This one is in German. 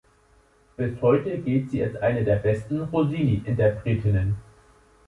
Bis heute gilt sie als eine der besten Rossini-Interpretinnen.